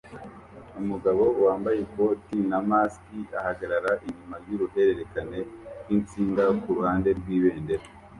Umugabo wambaye ikoti na mask ahagarara inyuma yuruhererekane rwinsinga kuruhande rwibendera